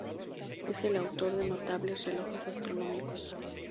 Es el autor de notables relojes astronómicos.